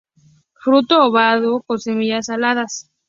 Fruto obovado, con semillas aladas.